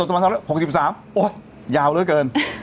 โอ๊ยยาวเลยเกิน